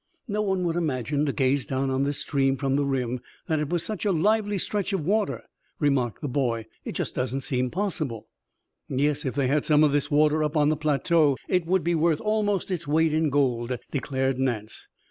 "No one would imagine, to gaze down on this stream from the rim, that it was such a lively stretch of water," remarked the boy. "It doesn't seem possible." "Yes, if they had some of this water up on the plateau it would be worth almost its weight in gold," declared Nance.